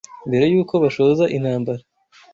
mbere y’uko bashoza intambara